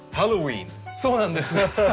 そうなんです。